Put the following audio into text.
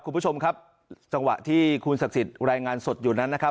คุณผู้ชมครับจังหวะที่คุณศักดิ์สิทธิ์รายงานสดอยู่นั้นนะครับ